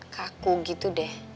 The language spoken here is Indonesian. kaku gitu deh